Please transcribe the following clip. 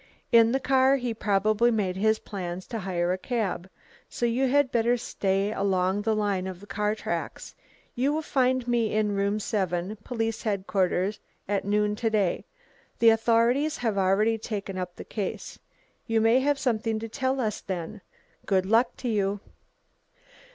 In the car he probably made his plans to hire a cab. So you had better stay along the line of the car tracks. You will find me in room seven, Police Headquarters, at noon to day. The authorities have already taken up the case. You may have something to tell us then. Good luck to you."